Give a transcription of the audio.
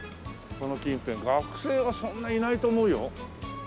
この近辺学生はそんなにいないと思うよ。